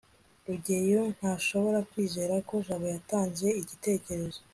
rugeyo ntashobora kwizera ko jabo yatanze igitekerezo